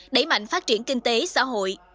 đẩy mạnh phát triển kinh tế xã hội